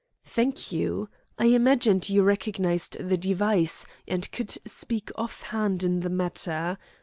"Thank you. I imagined you recognised the device, and could speak off hand in the matter.